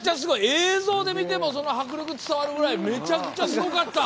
映像で見ても迫力が伝わるぐらいめちゃくちゃすごかった。